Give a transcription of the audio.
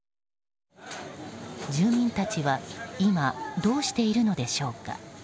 住民たちは今、どうしているのでしょうか。